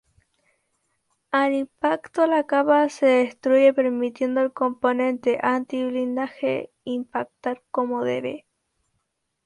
Al impacto la capa se destruye, permitiendo al componente anti-blindaje impactar como debe.